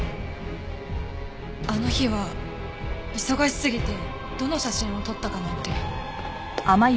あの日は忙しすぎてどの写真を撮ったかなんて。